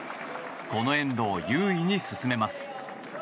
このエンドを優位に進めます。